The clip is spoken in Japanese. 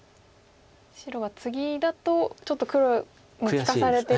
白はツギだとちょっと黒に利かされてるような。